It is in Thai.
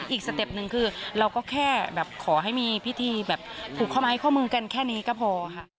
สเต็ปหนึ่งคือเราก็แค่แบบขอให้มีพิธีแบบผูกข้อไม้ข้อมือกันแค่นี้ก็พอค่ะ